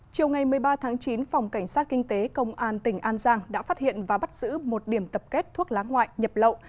chiều ngày một mươi ba tháng chín phòng cảnh sát kinh tế công an tỉnh an giang đã phát hiện và bắt giữ một điểm tập kết thuốc lá ngoại nhập lậu